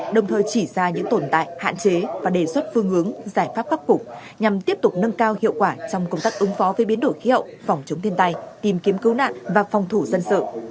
đồng thời chỉ ra những tồn tại hạn chế và đề xuất phương hướng giải pháp khắc phục nhằm tiếp tục nâng cao hiệu quả trong công tác ứng phó với biến đổi khí hậu phòng chống thiên tai tìm kiếm cứu nạn và phòng thủ dân sự